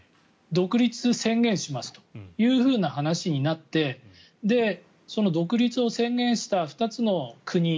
独立宣言しますというふうな話になってその独立を宣言した２つの国